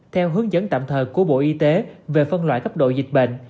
theo hướng dẫn tạm thời của bộ y tế về phân loại cấp độ dịch bệnh